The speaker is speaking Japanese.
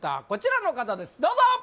こちらの方ですどうぞ！